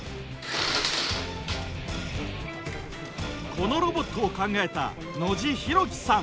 このロボットを考えた野路博基さん。